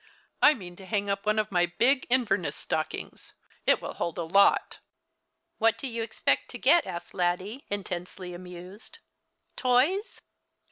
" I mean to hang up one of my big Inverness stockings. It will hold a lot." " What do you expect to get ?" asked Laddie, intensely amused. " Toys